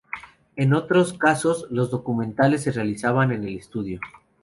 En otros casos los documentales se realizaban en el estudio.